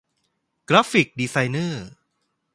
กราฟิกดีไซเนอร์